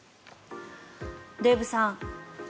デーブさん